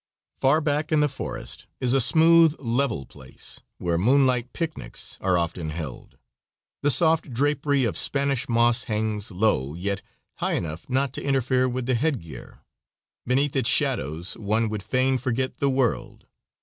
Far back in the forest, is a smooth, level place, where moonlight picnics are often held. The soft drapery of Spanish moss hangs low, yet high enough not to interfere with the headgear. Beneath its shadows one would fain forget the world.